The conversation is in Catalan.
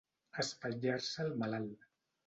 Espatllar-se el malalt.